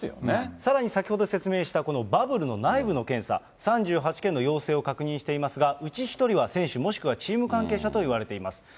さらに先ほど説明した、このバブルの内部の検査、３８件の陽性を確認していますが、うち１人は選手、もしくはチーム関係者といわれています。